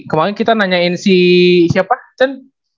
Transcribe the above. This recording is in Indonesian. kemarin kita nanyain si siapa cen